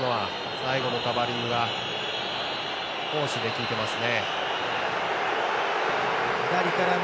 最後のカバーリングが攻守で効いてますね。